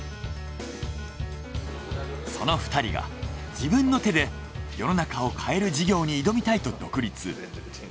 その２人が自分の手で世の中を変える事業に挑みたいと独立。